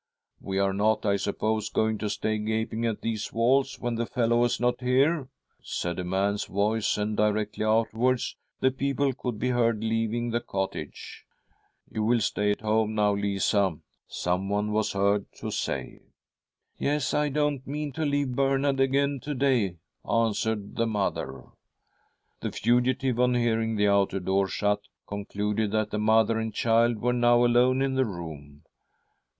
'We are not, I suppose, going to stay gaping at these walls when the fellow is not here,' said a man's voice, and directly afterwards the people could be heard leaving the cottage. 'You will stay at home now, Lisa? ' someone was heard to ■■■■■".*\ a ..'■.■■ i THE STRUGGLE OF A SOUL 153 say. 'Yes, I don't mean to leave Bernard again to day,' answered the mother. 'The fugitive, on hearing the outer door shut, concluded .that the mother and child were now alone in the room.